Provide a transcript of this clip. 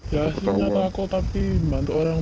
ya tidak takut tapi bantu orang tua